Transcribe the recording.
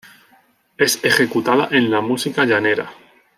Es ejecutada en la música llanera.